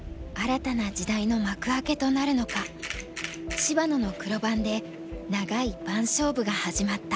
芝野の黒番で長い番勝負が始まった。